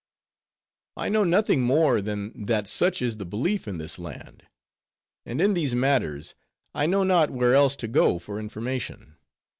"I know nothing more than that such is the belief in this land. And in these matters, I know not where else to go for information.